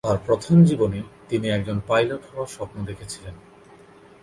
তার প্রথম জীবনে, তিনি একজন পাইলট হওয়ার স্বপ্ন দেখেছিলেন।